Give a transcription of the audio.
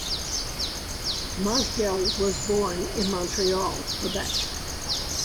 Mosdell was born in Montreal, Quebec.